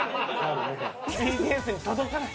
ＢＴＳに届かない。